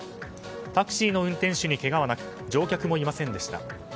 タクシーの運転手にけがはなく乗客もいませんでした。